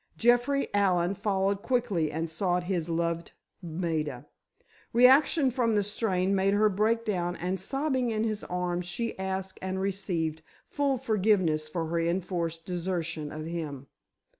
Jeffrey Allen followed quickly and sought his loved Maida. Reaction from the strain made her break down, and sobbing in his arms she asked and received full forgiveness for her enforced desertion of him.